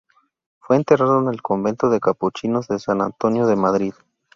Fue enterrado en el convento de capuchinos de San Antonio de Madrid.